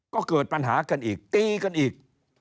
ก็เกิดปัญหากันอีกตีกันอีก